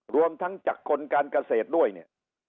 รวมทั้งจากคนการเกษตรด้วยเนี่ย